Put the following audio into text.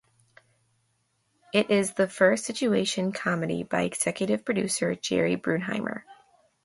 It is the first situation comedy by executive producer Jerry Bruckheimer.